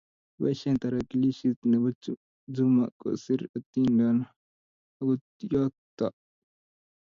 Kiboisie tarakilishit ne bo Juma koser atindon akuyookto.